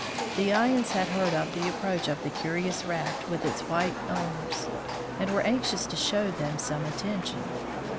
The Ayans had heard of the approach of the curious raft with its white owners, and were anxious to show them some attention.